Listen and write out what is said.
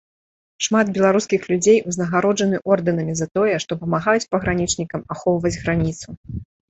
Шмат беларускіх людзей узнагароджаны ордэнамі за тое, што памагаюць пагранічнікам ахоўваць граніцу.